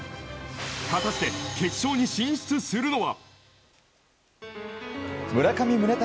果たして決勝に進出するのは？